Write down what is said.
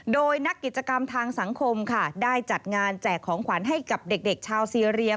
โดยนักกิจกรรมทางสังคมค่ะได้จัดงานแจกของขวัญให้กับเด็กชาวซีเรีย